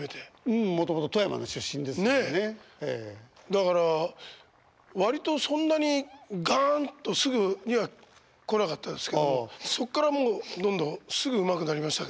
だから割とそんなにガンとすぐには来なかったですけどそっからもうどんどんすぐうまくなりましたけどね。